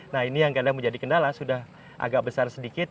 nah ini yang kadang menjadi kendala sudah agak besar sedikit